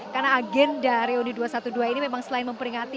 karena agenda reuni dua ratus dua belas ini memang selain memperingati